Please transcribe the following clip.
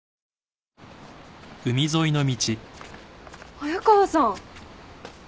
早川さん。